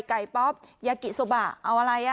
ไก่ป๊อปยากิโซบ่าเอาอะไรอ่ะ